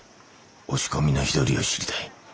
押し込みの日取りを知りたい。